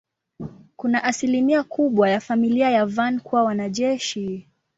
Kuna asilimia kubwa ya familia ya Van kuwa wanajeshi.